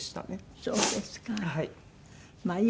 そうですか。